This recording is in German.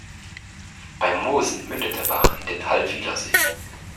Bei Mosen mündet der Bach in den Hallwilersee.